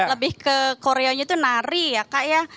lebih ke koreanya itu nari ya kak ya